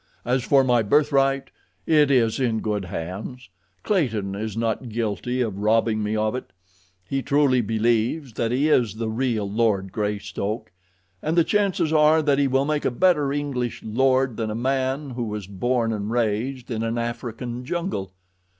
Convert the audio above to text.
As for my birthright—it is in good hands. Clayton is not guilty of robbing me of it. He truly believes that he is the real Lord Greystoke, and the chances are that he will make a better English lord than a man who was born and raised in an African jungle.